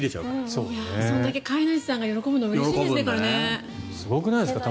それだけ飼い主さんが喜ぶのがうれしいんですね。